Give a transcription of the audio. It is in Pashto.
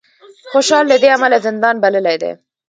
خوشال له دې امله زندان بللی دی